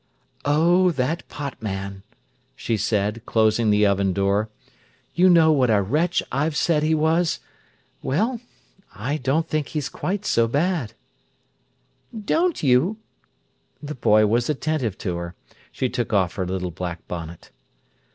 "Oh, that pot man!" she said, closing the oven door. "You know what a wretch I've said he was? Well, I don't think he's quite so bad." "Don't you?" The boy was attentive to her. She took off her little black bonnet.